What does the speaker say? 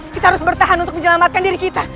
kita harus bertahan untuk menyelamatkan diri kita